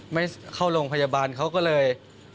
ไม่เข้าโรงพยาบาลเขาก็เลย